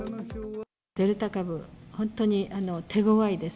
デルタ株、本当に手ごわいです。